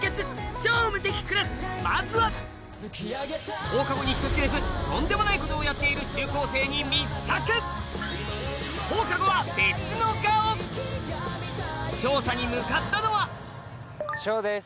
『超無敵クラス』まずは放課後に人知れずとんでもないことをやっている中高生に密着調査に向かったのはしょうです